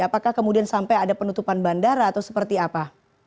apakah kemudian sampai ada penutupan bandara atau seperti apa